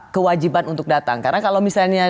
kewajiban untuk datang karena kalau misalnya